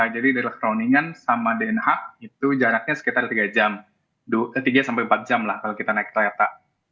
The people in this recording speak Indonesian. jadi dari kroningen sama dnh itu jaraknya sekitar tiga jam tiga sampai empat jam lah kalau kita naik kereta